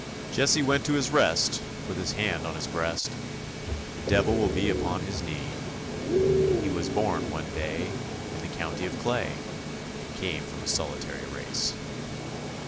Jesse went to his rest with his hand on his breast; The devil will be upon his knee. He was born one day in the county of Clay And came from a solitary race.